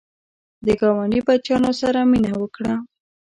د ګاونډي بچیانو سره مینه وکړه